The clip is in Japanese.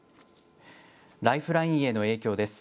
ライフラインへの影響です。